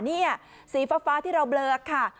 นี่สีฟ้าที่เราเบลอค่ะ